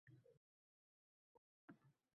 Biz hayajonlanib, shoshilib qolardik.